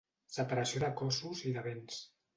Separació de cossos i de béns.